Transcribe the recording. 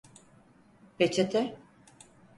Peçete…